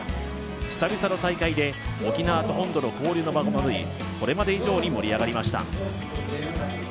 久々の再会で沖縄と本土の交流の場が戻り、これまで以上に盛り上がりました。